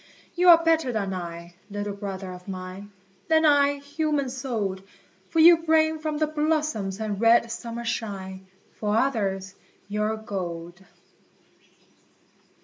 You are better than I, little brother of mine, Than I, human souled, For you bring from the blossoms and red summer shine, For others, your gold.